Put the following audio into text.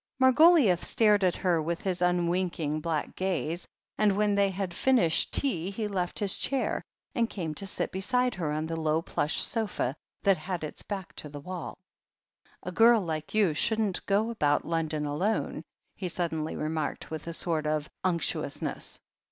Margoliouth stared at her with his unwinking black gaze, and when they had finished tea he left his chair, and came to sit beside her on the low plush sofa, that had its back to the wall. "A girl like you shouldn't go about London alone," he suddenly remarked, with a sort of unctuousness.